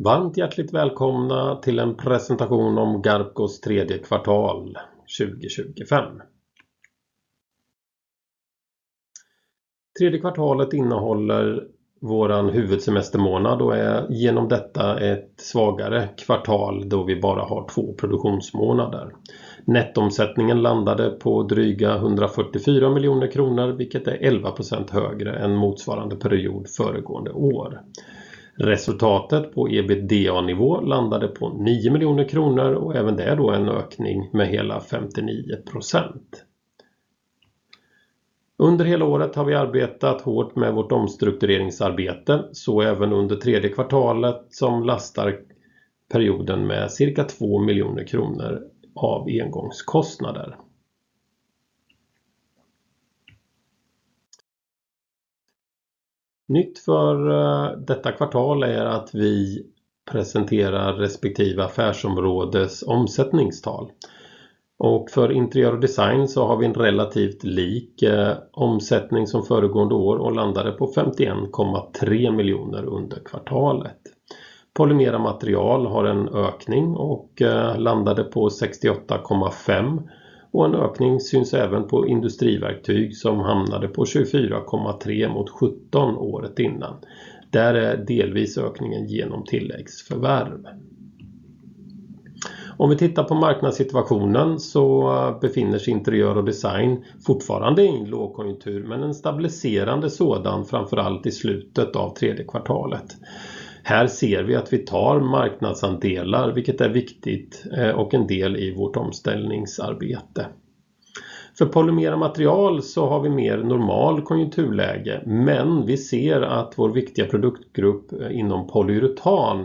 Varmt hjärtligt välkomna till en presentation om Garpcos tredje kvartal 2025. Tredje kvartalet innehåller vår huvudsemestermånad och är genom detta ett svagare kvartal då vi bara har två produktionsmånader. Nettoomsättningen landade på drygt 144 miljoner kronor, vilket är 11% högre än motsvarande period föregående år. Resultatet på EBITDA-nivå landade på 9 miljoner kronor, och även det är då en ökning med hela 59%. Under hela året har vi arbetat hårt med vårt omstruktureringsarbete, så även under tredje kvartalet som belastar perioden med cirka 2 miljoner kronor av engångskostnader. Nytt för detta kvartal är att vi presenterar respektive affärsområdes omsättningstal, och för interiör och design så har vi en relativt lik omsättning som föregående år och landade på 51,3 miljoner under kvartalet. Polymera material har en ökning och landade på 68,5, och en ökning syns även på industriverktyg som hamnade på 24,3 mot 17 året innan. Där är delvis ökningen genom tilläggsförvärv. Om vi tittar på marknadssituationen så befinner sig interiör och design fortfarande i en lågkonjunktur, men en stabiliserande sådan framförallt i slutet av tredje kvartalet. Här ser vi att vi tar marknadsandelar, vilket är viktigt och en del i vårt omställningsarbete. För polymera material så har vi mer normal konjunkturläge, men vi ser att vår viktiga produktgrupp inom polyuretan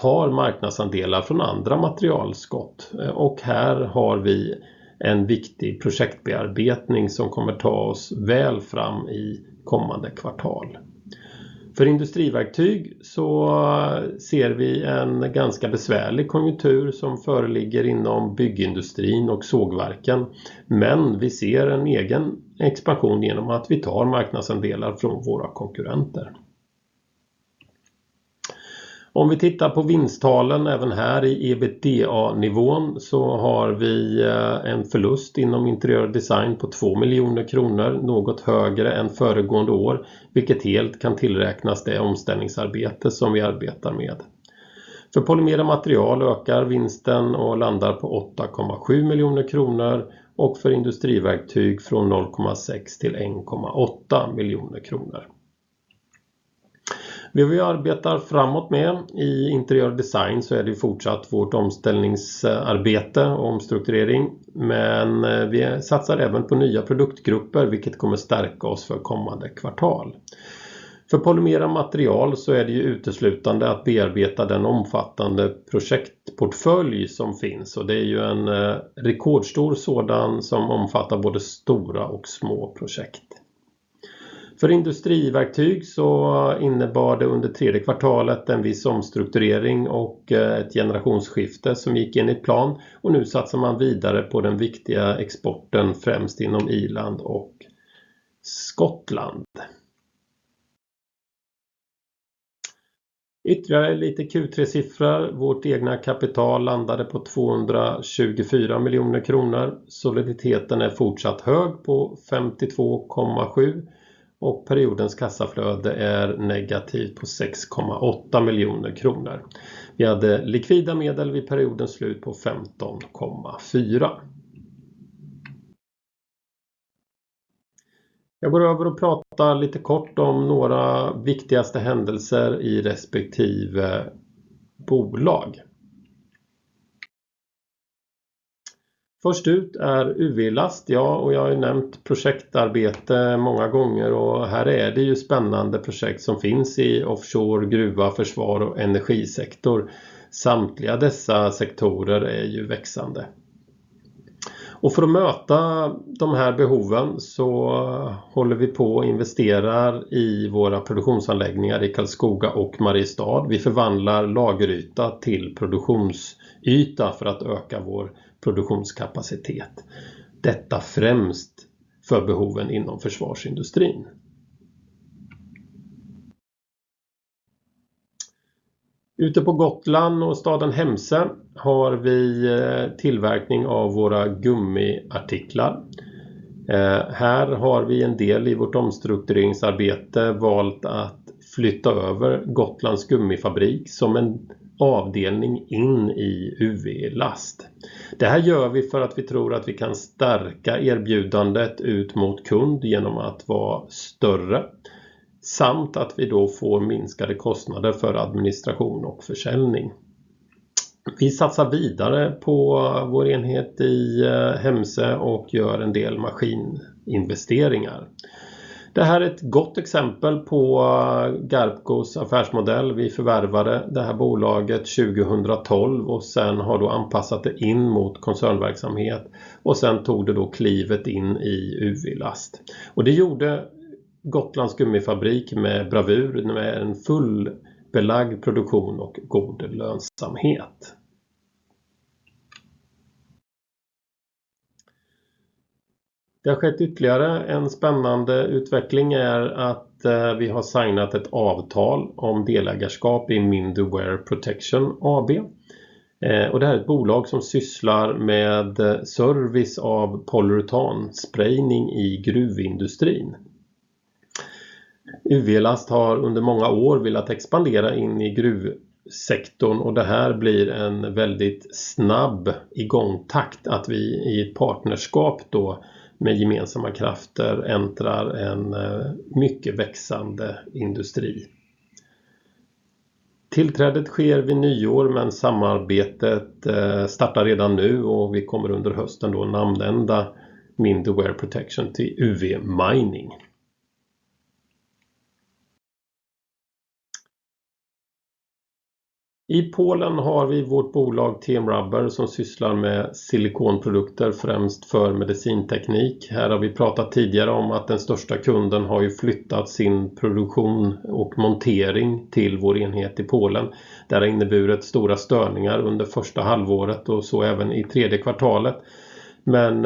tar marknadsandelar från andra materialskott, och här har vi en viktig projektbearbetning som kommer ta oss väl fram i kommande kvartal. För industriverktyg så ser vi en ganska besvärlig konjunktur som föreligger inom byggindustrin och sågverken, men vi ser en egen expansion genom att vi tar marknadsandelar från våra konkurrenter. Om vi tittar på vinsttalen även här i EBITDA-nivån så har vi en förlust inom interiör och design på 2 miljoner kronor, något högre än föregående år, vilket helt kan tillräknas det omställningsarbete som vi arbetar med. För polymera material ökar vinsten och landar på 8,7 miljoner kronor, och för industriverktyg från 0,6 till 1,8 miljoner kronor. Det vi arbetar framåt med i interiör och design så är det fortsatt vårt omställningsarbete och omstrukturering, men vi satsar även på nya produktgrupper, vilket kommer stärka oss för kommande kvartal. För polymera material så är det uteslutande att bearbeta den omfattande projektportfölj som finns, och det är en rekordstor sådan som omfattar både stora och små projekt. För industriverktyg så innebar det under tredje kvartalet en viss omstrukturering och ett generationsskifte som gick enligt plan, och nu satsar man vidare på den viktiga exporten, främst inom Irland och Skottland. Ytterligare lite Q3-siffror: vårt egna kapital landade på 224 miljoner kronor, soliditeten är fortsatt hög på 52,7%, och periodens kassaflöde är negativt på 6,8 miljoner kronor. Vi hade likvida medel vid periodens slut på 15,4 miljoner kronor. Jag går över och pratar lite kort om några viktigaste händelser i respektive bolag. Först ut är UV-last, och jag har nämnt projektarbete många gånger, och här är det spännande projekt som finns i offshore, gruva, försvar och energisektor. Samtliga dessa sektorer är växande, och för att möta de här behoven så håller vi på och investerar i våra produktionsanläggningar i Karlskoga och Mariestad. Vi förvandlar lageryta till produktionsyta för att öka vår produktionskapacitet, detta främst för behoven inom försvarsindustrin. Ute på Gotland och staden Hemse har vi tillverkning av våra gummiartiklar. Här har vi en del i vårt omstruktureringsarbete valt att flytta över Gotlands Gummifabrik som en avdelning in i UV-Last. Det här gör vi för att vi tror att vi kan stärka erbjudandet ut mot kund genom att vara större, samt att vi då får minskade kostnader för administration och försäljning. Vi satsar vidare på vår enhet i Hemse och gör en del maskininvesteringar. Det här är ett gott exempel på Garpcos affärsmodell. Vi förvärvade det här bolaget 2012 och sedan har då anpassat det in mot koncernverksamhet, och sedan tog det då klivet in i UV-Last, och det gjorde Gotlands Gummifabrik med bravur, med en fullbelagd produktion och god lönsamhet. Det har skett ytterligare en spännande utveckling, är att vi har signat ett avtal om delägarskap i Mindoware Protection AB, och det här är ett bolag som sysslar med service av polyuretansprayning i gruvindustrin. UV-last har under många år velat expandera in i gruvsektorn, och det här blir en väldigt snabb igångtakt, att vi i ett partnerskap då med gemensamma krafter äntrar en mycket växande industri. Tillträdet sker vid nyår, men samarbetet startar redan nu, och vi kommer under hösten då namnändra Mindoware Protection till UV Mining. I Polen har vi vårt bolag TM Rubber som sysslar med silikonprodukter, främst för medicinteknik. Här har vi pratat tidigare om att den största kunden har ju flyttat sin produktion och montering till vår enhet i Polen. Det här innebär stora störningar under första halvåret och så även i tredje kvartalet, men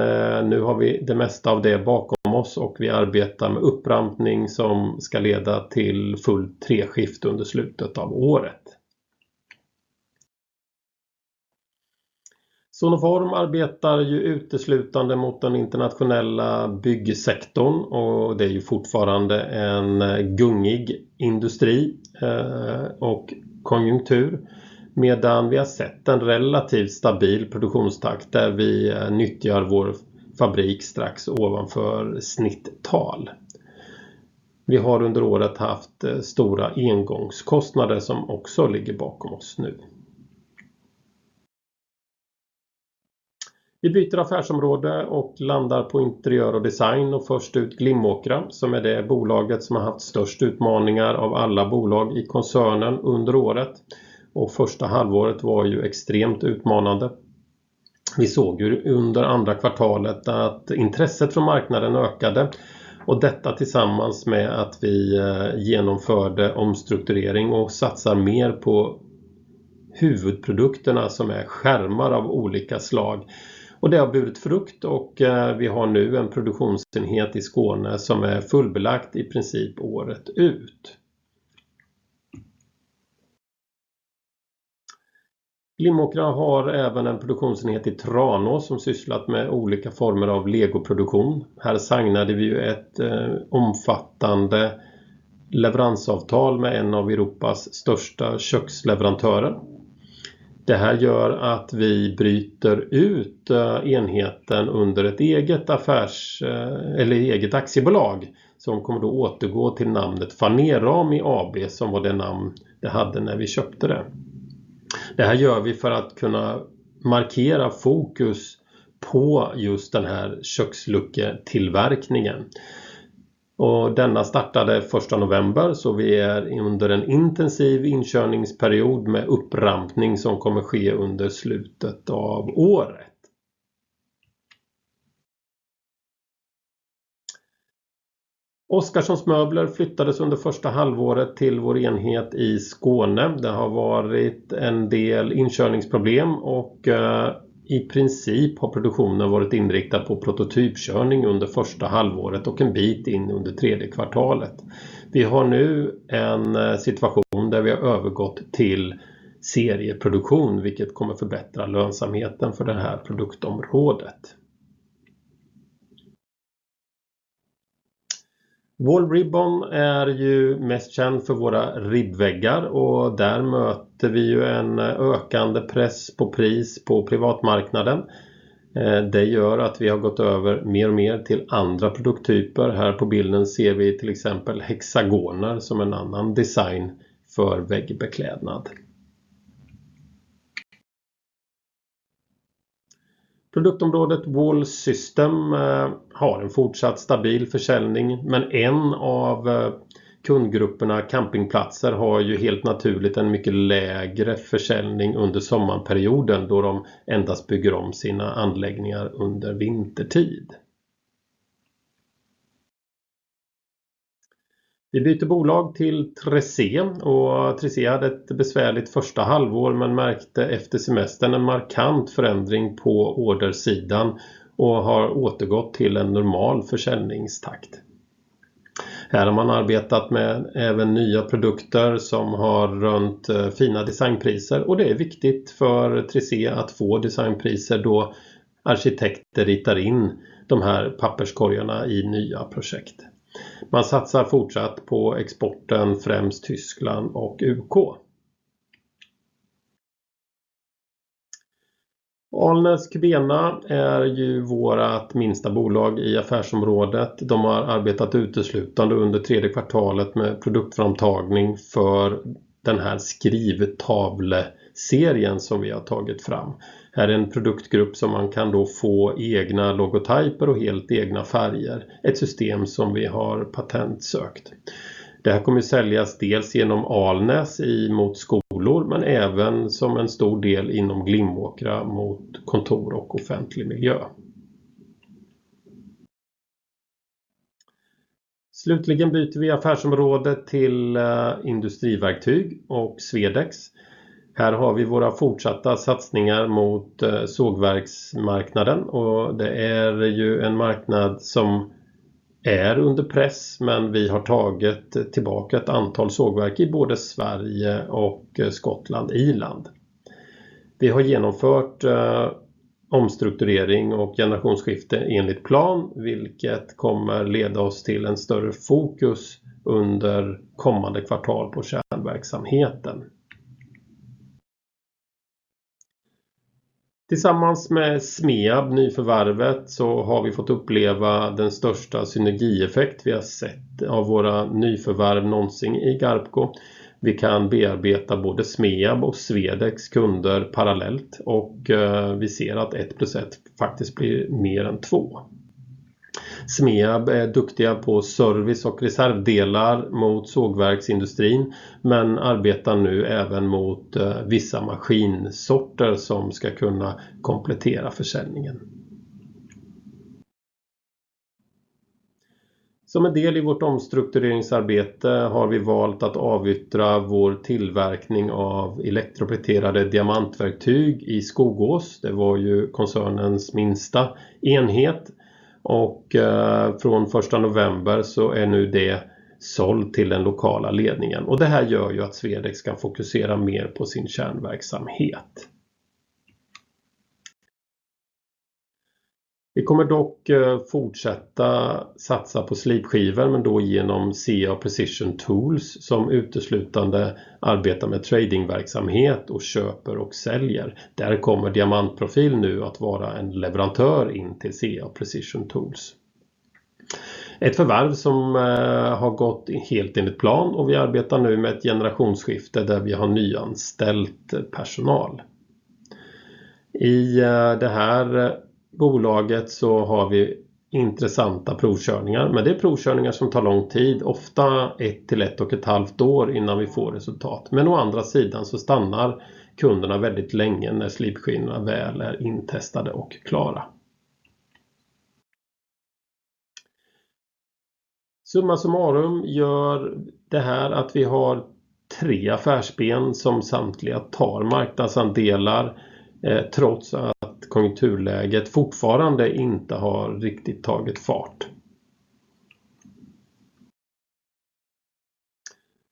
nu har vi det mesta av det bakom oss, och vi arbetar med upprampning som ska leda till fullt treskift under slutet av året. Sonoform arbetar ju uteslutande mot den internationella byggsektorn, och det är ju fortfarande en gungig industri och konjunktur, medan vi har sett en relativt stabil produktionstakt där vi nyttjar vår fabrik strax ovanför snitt. Vi har under året haft stora engångskostnader som också ligger bakom oss nu. Vi byter affärsområde och landar på interiör och design, och först ut Glimåkra som är det bolaget som har haft störst utmaningar av alla bolag i koncernen under året, och första halvåret var ju extremt utmanande. Vi såg ju under andra kvartalet att intresset från marknaden ökade, och detta tillsammans med att vi genomförde omstrukturering och satsar mer på huvudprodukterna som är skärmar av olika slag, och det har burit frukt, och vi har nu en produktionsenhet i Skåne som är fullbelagd i princip året ut. Glimåkra har även en produktionsenhet i Tranå som sysslat med olika former av legoproduktion. Här signerade vi ju ett omfattande leveransavtal med en av Europas största köksleverantörer. Det här gör att vi bryter ut enheten under ett eget affärs- eller eget aktiebolag som kommer då återgå till namnet Faneram AB, som var det namn det hade när vi köpte det. Det här gör vi för att kunna markera fokus på just den här kökslucketillverkningen, och denna startade 1 november, så vi är under en intensiv inkörningsperiod med upprampning som kommer ske under slutet av året. Oskarssons Möbler flyttades under första halvåret till vår enhet i Skåne. Det har varit en del inkörningsproblem, och i princip har produktionen varit inriktad på prototypkörning under första halvåret och en bit in under tredje kvartalet. Vi har nu en situation där vi har övergått till serieproduktion, vilket kommer förbättra lönsamheten för det här produktområdet. Wall Ribbon är ju mest känd för våra ribbväggar, och där möter vi ju en ökande press på pris på privatmarknaden. Det gör att vi har gått över mer och mer till andra produkttyper. Här på bilden ser vi till exempel hexagoner som en annan design för väggbeklädnad. Produktområdet Wall System har en fortsatt stabil försäljning, men en av kundgrupperna, campingplatser, har ju helt naturligt en mycket lägre försäljning under sommarperioden, då de endast bygger om sina anläggningar under vintertid. Vi byter bolag till Tressé, och Tressé hade ett besvärligt första halvår, men märkte efter semestern en markant förändring på ordersidan och har återgått till en normal försäljningstakt. Här har man arbetat med även nya produkter som har runt fina designpriser, och det är viktigt för Tressé att få designpriser då arkitekter ritar in de här papperskorgarna i nya projekt. Man satsar fortsatt på exporten, främst Tyskland och UK. Alners Kubena är ju vårt minsta bolag i affärsområdet. De har arbetat uteslutande under tredje kvartalet med produktframtagning för den här skrivtavleserien som vi har tagit fram. Här är en produktgrupp som man kan då få egna logotyper och helt egna färger, ett system som vi har patentsökt. Det här kommer att säljas dels genom Alners mot skolor, men även som en stor del inom Glimåkra mot kontor och offentlig miljö. Slutligen byter vi affärsområde till industriverktyg och Swedex. Här har vi våra fortsatta satsningar mot sågverksmarknaden, och det är ju en marknad som är under press, men vi har tagit tillbaka ett antal sågverk i både Sverige och Skottland/Irland. Vi har genomfört omstrukturering och generationsskifte enligt plan, vilket kommer leda oss till en större fokus under kommande kvartal på kärnverksamheten. Tillsammans med Smeab-nyförvärvet så har vi fått uppleva den största synergieffekt vi har sett av våra nyförvärv någonsin i Garpco. Vi kan bearbeta både Smeab- och Swedex-kunder parallellt, och vi ser att ett plus ett faktiskt blir mer än två. Smeab är duktiga på service och reservdelar mot sågverksindustrin, men arbetar nu även mot vissa maskinsorter som ska kunna komplettera försäljningen. Som en del i vårt omstruktureringsarbete har vi valt att avyttra vår tillverkning av elektroplätterade diamantverktyg i Skogås. Det var ju koncernens minsta enhet, och från 1 november så är nu det sålt till den lokala ledningen, och det här gör ju att Swedex kan fokusera mer på sin kärnverksamhet. Vi kommer dock fortsätta satsa på slipskivor, men då genom CA Precision Tools som uteslutande arbetar med tradingverksamhet och köper och säljer. Där kommer Diamantprofil nu att vara en leverantör in till CA Precision Tools. Ett förvärv som har gått helt enligt plan, och vi arbetar nu med ett generationsskifte där vi har nyanställt personal. I det här bolaget så har vi intressanta provkörningar, men det är provkörningar som tar lång tid, ofta ett till ett och ett halvt år innan vi får resultat. Men å andra sidan så stannar kunderna väldigt länge när slipskivorna väl är intestade och klara. Summa summarum gör det här att vi har tre affärsben som samtliga tar marknadsandelar, trots att konjunkturläget fortfarande inte har riktigt tagit fart.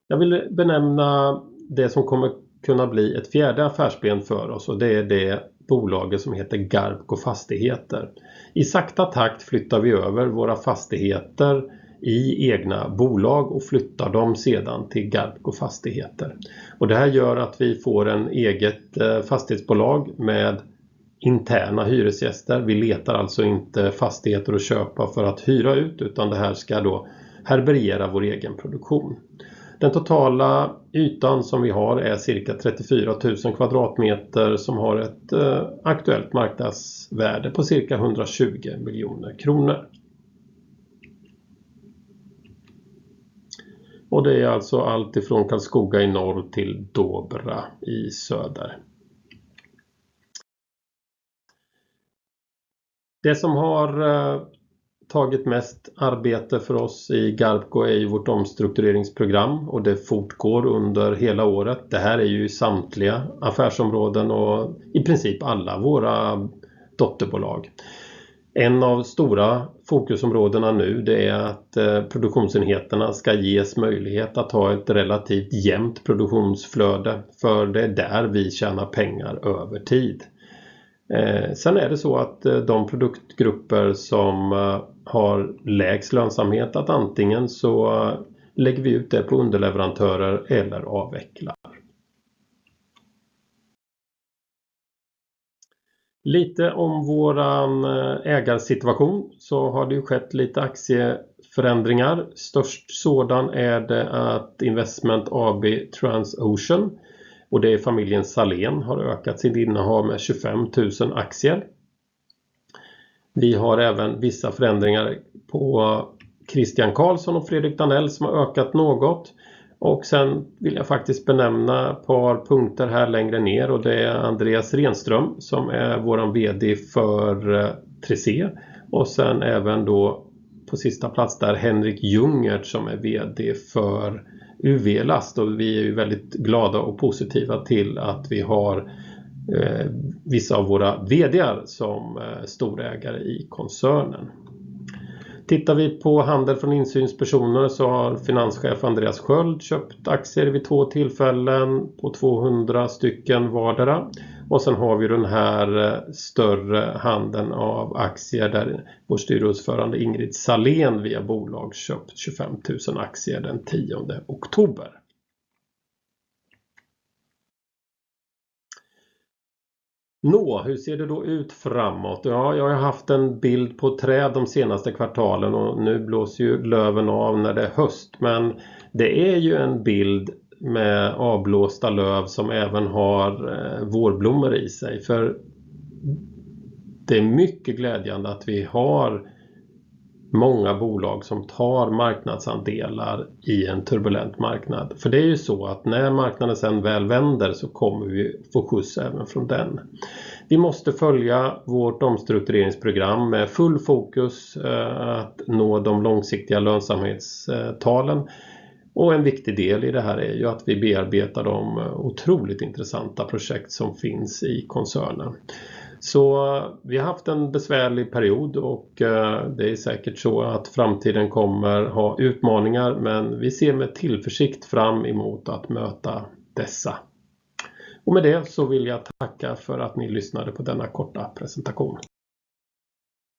Jag vill benämna det som kommer kunna bli ett fjärde affärsben för oss, och det är det bolaget som heter Garpco Fastigheter. I sakta takt flyttar vi över våra fastigheter i egna bolag och flyttar dem sedan till Garpco Fastigheter, och det här gör att vi får ett eget fastighetsbolag med interna hyresgäster. Vi letar alltså inte fastigheter att köpa för att hyra ut, utan det här ska då bearbeta vår egen produktion. Den totala ytan som vi har är cirka 34 000 kvadratmeter som har ett aktuellt marknadsvärde på cirka 120 miljoner kronor. Det är alltså allt ifrån Karlskoga i norr till Dovra i söder. Det som har tagit mest arbete för oss i Garpco är vårt omstruktureringsprogram, och det fortgår under hela året. Det här är samtliga affärsområden och i princip alla våra dotterbolag. Ett av stora fokusområdena nu är att produktionsenheterna ska ges möjlighet att ha ett relativt jämnt produktionsflöde, för det är där vi tjänar pengar över tid. Sen är det så att de produktgrupper som har lägst lönsamhet, att antingen så lägger vi ut det på underleverantörer eller avvecklar. Lite om vår ägarsituation så har det skett lite aktieförändringar. Störst sådan är det att Investment AB Transocean, och det är familjen Salén, har ökat sitt innehav med 25,000 aktier. Vi har även vissa förändringar på Christian Karlsson och Fredrik Danell som har ökat något, och sen vill jag faktiskt benämna ett par punkter här längre ner, och det är Andreas Renström som är vår VD för Tressé, och sen även då på sista plats där Henrik Ljungert som är VD för UV Last, och vi är ju väldigt glada och positiva till att vi har vissa av våra VD:ar som storägare i koncernen. Tittar vi på handel från insynspersoner så har finanschef Andreas Sköld köpt aktier vid två tillfällen på 200 stycken vardera, och sen har vi ju den här större handeln av aktier där vår styrelseordförande Ingrid Salén via bolag köpt 25,000 aktier den 10 oktober. Nå, hur ser det då ut framåt? Ja, jag har ju haft en bild på träd de senaste kvartalen, och nu blåser ju löven av när det är höst, men det är ju en bild med avblåsta löv som även har vårblommor i sig, för det är mycket glädjande att vi har många bolag som tar marknadsandelar i en turbulent marknad, för det är ju så att när marknaden sen väl vänder så kommer vi få skjuts även från den. Vi måste följa vårt omstruktureringsprogram med full fokus att nå de långsiktiga lönsamhetstalen, och en viktig del i det här är ju att vi bearbetar de otroligt intressanta projekt som finns i koncernen. Vi har haft en besvärlig period, och det är säkert så att framtiden kommer ha utmaningar, men vi ser med tillförsikt fram emot att möta dessa. Med det så vill jag tacka för att ni lyssnade på denna korta presentation.